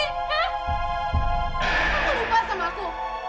kamu lupa sama aku